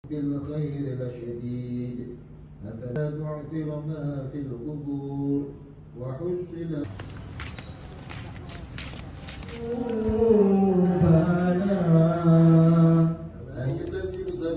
vinod khair adalah pasti dan ib avoiding romano film wakeffect